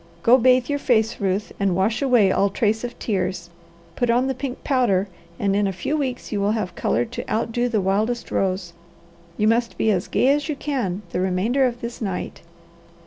Go bathe your face, Ruth, and wash away all trace of tears. Put on the pink powder, and in a few weeks you will have colour to outdo the wildest rose. You must be as gay as you can the remainder of this night."